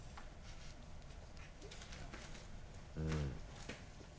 うん。